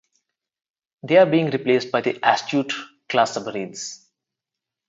They are being replaced by the "Astute"-class submarines.